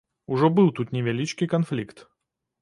Ужо быў тут невялічкі канфлікт.